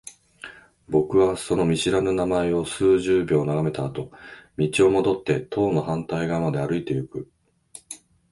僕はその見知らぬ名前を数十秒眺めたあと、道を戻って棟の反対側まで歩いていく。